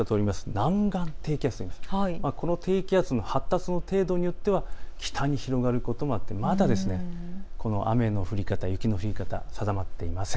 南岸低気圧、この低気圧の発達の程度によっては北に広がることがあってまだ雨の降り方、雪の降り方、定まっていません。